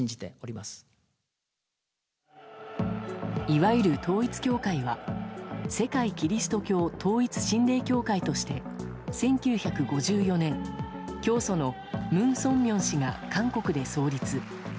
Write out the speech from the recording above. いわゆる統一教会は世界基督教統一神霊協会として１９５４年、教祖のムン・ソンミョン氏が韓国で創立。